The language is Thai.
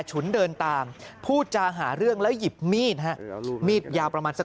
ฉุนเดินตามพูดจาหาเรื่องแล้วหยิบมีดฮะมีดยาวประมาณสัก